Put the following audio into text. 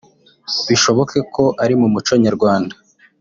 Bishoboke ko ari mu muco nyarwanda